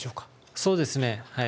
そうですね、はい。